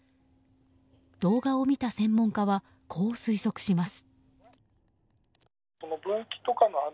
動画を見た専門家はこう推測します。